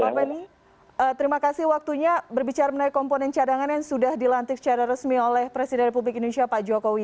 bapak beni terima kasih waktunya berbicara menaik komponen cadangan yang sudah dilantik secara resmi oleh presiden republik indonesia pak jokowi